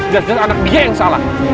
jas jas anak dia yang salah